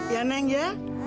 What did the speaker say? ya neng ya